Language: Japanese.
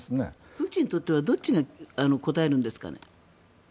プーチンにとってはどっちがこたえるんですかね？